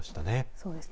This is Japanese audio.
そうですね。